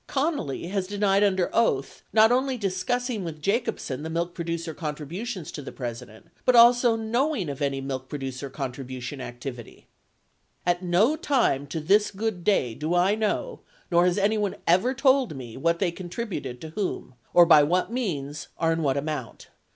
38 Connally has denied under oath not only discussing with Jacobsen the milk producer contributions to the President, but also knowing of any milk producer contribution activity : [A]t no time to this good day do I know, nor has anyone ever told me what they contributed to whom, or by what means, or in what amount.